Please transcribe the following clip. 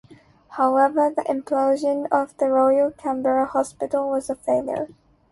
However, the implosion of the Royal Canberra Hospital was a failure.